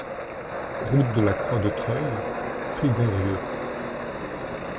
Route de la Croix du Treuil, Prigonrieux